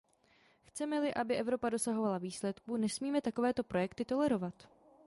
Chceme-li, aby Evropa dosahovala výsledků, nesmíme takovéto projekty tolerovat.